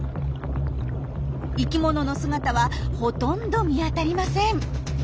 生きものの姿はほとんど見当たりません。